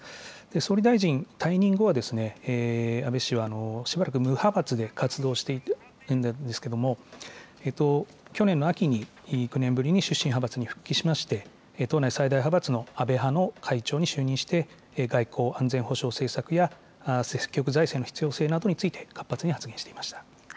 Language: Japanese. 総理大臣退任後は、安倍氏はしばらく無派閥で活動していたんですけれども、去年の秋に、９年ぶりに出身派閥に復帰しまして、党内最大派閥の安倍派の会長に就任して、外交・安全保障政策や、積極財政の必要性などについて、活発に発言していました。